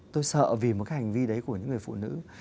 tôi sợ vì một cái hành vi đấy của những người phụ nữ